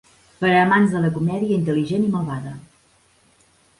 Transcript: Per a amants de la comèdia intel·ligent i malvada.